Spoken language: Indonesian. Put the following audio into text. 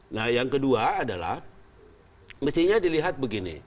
nah yang kedua adalah mestinya dilihat begini